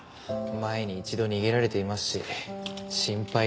前に一度逃げられていますし心配ですよね。